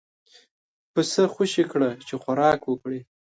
پسه خوشی کړه چې خوراک وکړي.